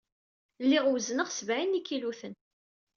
Lliɣ wezneɣ sebɛin n yikiluten.